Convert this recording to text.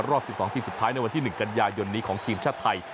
รอบ๑๒ทีมสุดท้ายในวันที่๑กันยายนนี้ของทีมชาติไทย